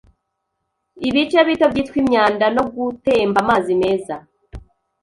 Ibice bito byitwa imyanda nogutemba amazi meza